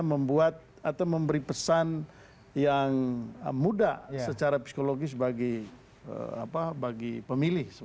membuat atau memberi pesan yang mudah secara psikologis bagi pemilih